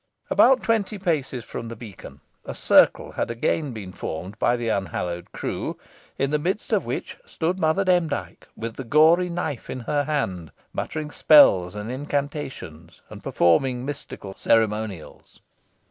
About twenty paces from the beacon, a circle had again been formed by the unhallowed crew, in the midst of which stood Mother Demdike, with the gory knife in her hand, muttering spells and incantations, and performing mystical ceremonials.